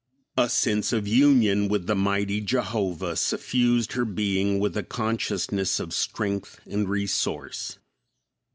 A sense of union with the mighty Jehovah suffused her being with a consciousness of strength and resource.